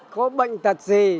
có bệnh tật gì